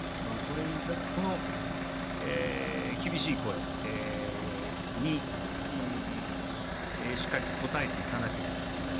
この厳しい声にしっかりと応えていかなければいけない